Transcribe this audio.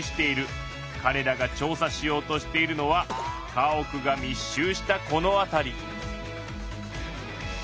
かれらが調査しようとしているのは家屋が密集したこの辺り。